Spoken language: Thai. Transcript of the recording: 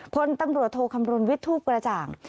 พลตำรวจโทขำรวจวิทธูปกระจ่าง